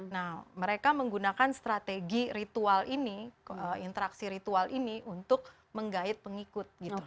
nah mereka menggunakan strategi ritual ini interaksi ritual ini untuk menggait pengikut gitu